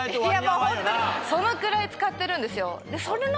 そのくらい使ってるんですよ。